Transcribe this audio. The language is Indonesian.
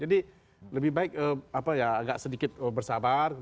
jadi lebih baik agak sedikit bersabar